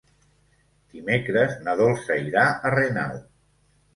Dimecres na Dolça irà a Renau.